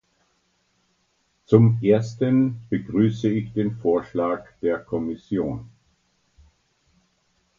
Zum Ersten begrüße ich den Vorschlag der Kommission.